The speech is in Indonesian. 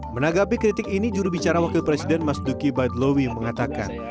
menanggapi kritik ini jurubicara wakil presiden mas duki baidlowing mengatakan